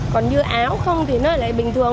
còn như áo không thì nó lại bình thường